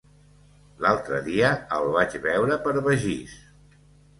L'altre dia el vaig veure per Begís.